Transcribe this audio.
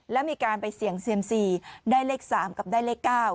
แล้วมีการไปเสี่ยงเซียมซีได้เลข๓กับได้เลข๙